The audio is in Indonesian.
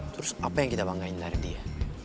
terus apa yang kita banggain lari dia